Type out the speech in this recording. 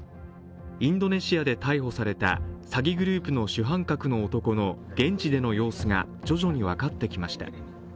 インドネシアで逮捕された詐欺グループの主犯格の男の現地での様子が徐々に分かってきました。